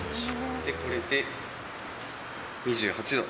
これで、２８度。